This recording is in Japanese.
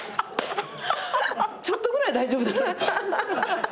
ちょっとぐらい大丈夫だろう。